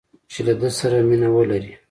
چې له ده سره مینه ولري